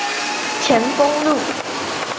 前峰路